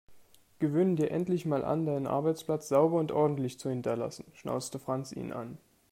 Gewöhne dir endlich mal an, deinen Arbeitsplatz sauber und ordentlich zu hinterlassen, schnauzte Franz ihn an.